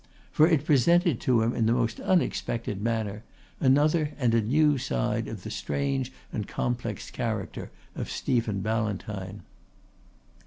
For it presented to him in the most unexpected manner another and a new side of the strange and complex character of Stephen Ballantyne.